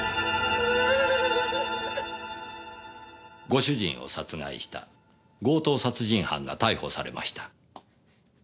ご主人を殺害した強盗殺人犯が逮捕されました。